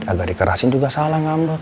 agak dikerahasin juga salah ngambek